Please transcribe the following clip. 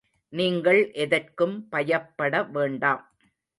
நீங்கள் எதற்கும் பயப்படவேண்டாம்.